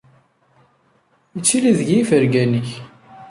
Ittili deg yifergan-ik.